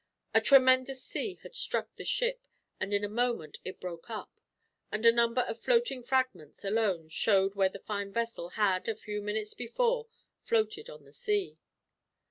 A tremendous sea had struck the ship, and in a moment it broke up; and a number of floating fragments, alone, showed where a fine vessel had, a few minutes before, floated on the sea.